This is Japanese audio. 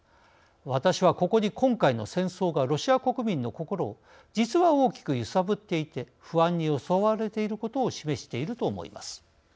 私はここに今回の戦争がロシア国民の心を実は大きく揺さぶっていて不安に襲われていることを示していると思います。